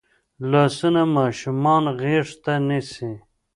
لاسونه ماشومان غېږ ته نیسي